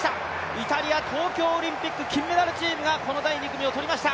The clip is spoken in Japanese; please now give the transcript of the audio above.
イタリア、東京オリンピック、金メダルチームがこの第２組をとりました。